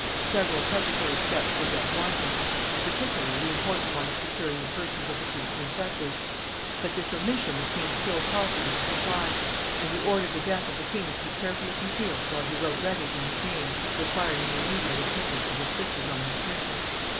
Several preparatory steps were yet wanting; in particular the important one of securing the persons of the two princesses: but this omission it seemed still possible to supply; and he ordered the death of the king to be carefully concealed, while he wrote letters in his name requiring the immediate attendance of his sisters on his person.